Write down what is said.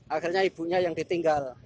akhirnya ibunya yang ditinggal